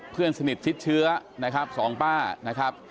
เพื่อนสนิทชิดเชื้อนะครับสองป้านะครับ